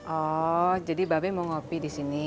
oh jadi babeng mau ngopi disini